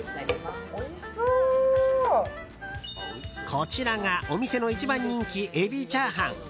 こちらがお店の一番人気えびチャーハン。